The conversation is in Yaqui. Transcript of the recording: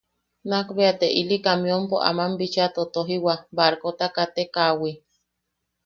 Nakbea te ili kamiompo aman bicha totojiwa barkota katekaʼawi.